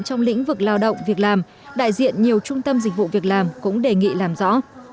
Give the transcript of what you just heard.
trong lĩnh vực lao động việc làm đại diện nhiều trung tâm dịch vụ việc làm cũng đề nghị làm rõ